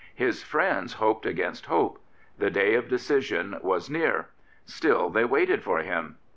His friends hoped against hope. The day of decision was near. Still they waited for him.